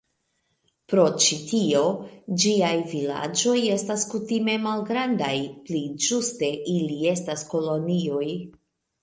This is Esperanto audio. Pro ĉi tio, ĝiaj vilaĝoj estas kutime malgrandaj, pli ĝuste ili estas kolonioj.